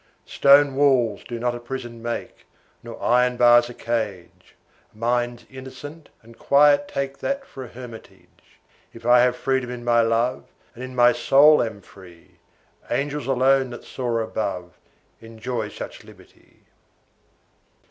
Stone walls do not a prison make, Nor iron bars a cage; Minds innocent and quiet take That for an hermitage; If I have freedom in my love, And in my soul am free, Angels alone that soar above, Enjoy such liberty.